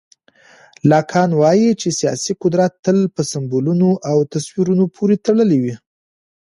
لاکان وایي چې سیاسي قدرت تل په سمبولونو او تصویرونو پورې تړلی وي.